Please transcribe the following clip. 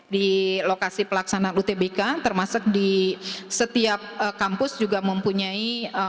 di lokasi pelaksanaan utbk termasuk di setiap kampus juga mempunyai